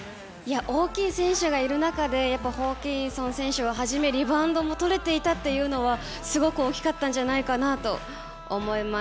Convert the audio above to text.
大きい選手がいる中でホーキンソン選手をはじめリバウンドもとれていたというのはすごく大きかったんじゃないかなと思います。